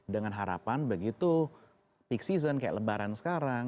dengan harapan begitu peak season kayak lebaran sekarang